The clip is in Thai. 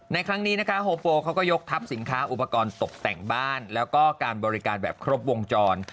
ในครั้งนี้นะคะโฮโปเขาก็ยกทัพสินค้าอุปกรณ์ตกแต่งบ้านแล้วก็การบริการแบบครบวงจร